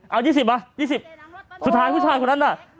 เอา๒๐มา๒๐สุดท้ายผู้ชายคนนั้นน่ะ